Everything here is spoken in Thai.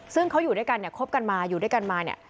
ซึ่งเขาอยู่ด้วยกันเนี่ยคบกันมาอยู่ด้วยกันมาเนี่ย